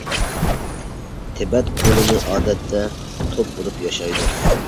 تىبەت قۇلىنى ئادەتتە توپ بولۇپ ياشايدۇ.